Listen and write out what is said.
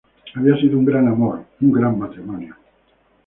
Había sido un gran amor, un gran matrimonio"".